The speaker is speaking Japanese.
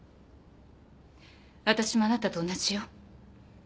私もあなたと同じよ。